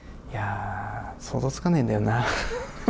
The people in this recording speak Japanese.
想像がつかないんだよな。